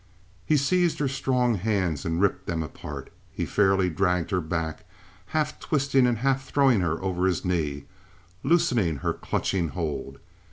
He seized her strong hands and ripped them apart. He fairly dragged her back, half twisting and half throwing her over his knee, loosing her clutching hold.